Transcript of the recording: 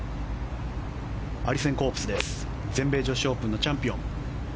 アリセン・コープス全米女子オープンチャンピオン。